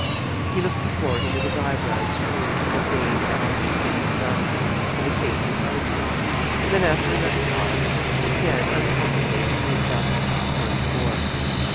He looked before him with his eyebrows screwed, in a vain effort to pierce the darkness, and the same behind him; and then after another pause, he began uncomfortably to move down the path once more.